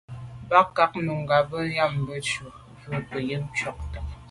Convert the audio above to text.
Bə̀k bɑ̌ Nùngà bə̀ bɑ́mə́ yə̂ cû vút gə́ yí gí tchwatong.